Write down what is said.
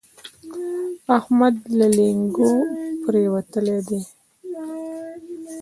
احمد له لېنګو پرېوتلی دی.